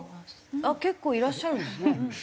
結構いらっしゃるんですね。